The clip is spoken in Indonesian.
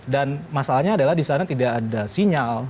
dan masalahnya adalah di sana tidak ada sinyal